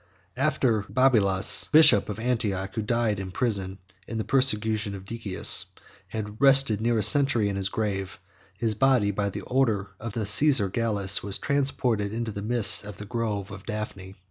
After Babylas 112 (a bishop of Antioch, who died in prison in the persecution of Decius) had rested near a century in his grave, his body, by the order of Cæsar Gallus, was transported into the midst of the grove of Daphne.